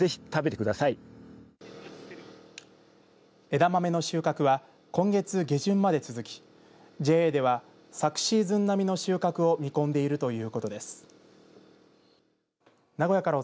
枝豆の収穫は今月下旬まで続きＪＡでは昨シーズン並みの収穫を見込んでいるということです。